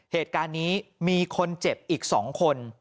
เหตุการณ์นี้มีคนเจ็บอีก๒คน